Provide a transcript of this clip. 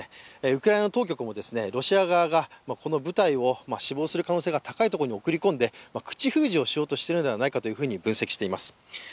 ウクライナ当局もロシア側が、この部隊を死亡する可能性が高いところに送り込んで口封じをしようとしているのではないかと分析しています。